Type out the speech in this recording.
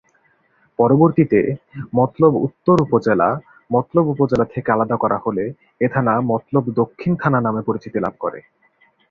পরবর্তীতে মতলব উত্তর উপজেলা মতলব উপজেলা থেকে আলাদা করা হলে এ থানা মতলব দক্ষিণ থানা নামে পরিচিতি লাভ করে।